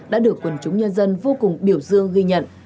đã được quần chúng nhân dân vô cùng biểu dương ghi nhận